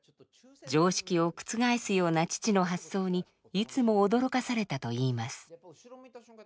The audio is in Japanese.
常識を覆すような父の発想にいつも驚かされたといいます。